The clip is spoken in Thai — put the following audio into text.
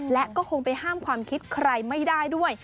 และก็คงไปห้ามความคิดใครไม่ได้ด้วย